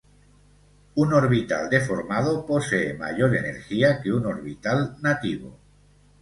Un orbital deformado posee mayor energía que un orbital "nativo".